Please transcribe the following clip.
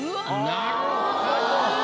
なるほど。